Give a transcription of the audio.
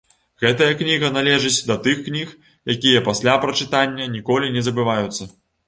Гэтая кніга належыць да тых кніг, якія пасля прачытання ніколі не забываюцца.